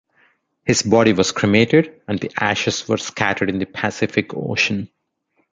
His body was cremated and the ashes were scattered in the Pacific Ocean.